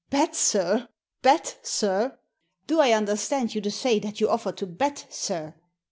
" Bet, sir ! bet, sir ! Do I understand you to say that you offer to bet, sir?